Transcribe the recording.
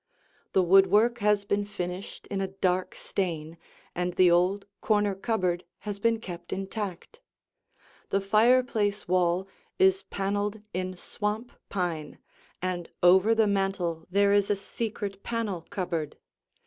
The woodwork has been finished in a dark stain, and the old corner cupboard has been kept intact. The fireplace wall is paneled in swamp pine, and over the mantel there is a secret panel cupboard.